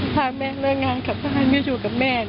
ถ้าแม่เลิกงานกลับบ้านแม่อยู่กับแม่